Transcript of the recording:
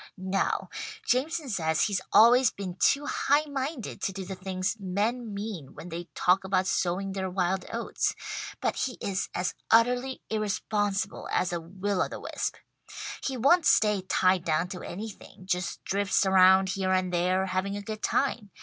"No. Jameson says he's always been too high minded to do the things men mean when they talk about sowing their wild oats; but he is as utterly irresponsible as a will o the wisp. He won't stay tied down to anything just drifts around, here and there, having a good time.